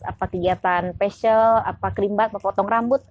apa kegiatan facial apa kerimbak apa potong rambut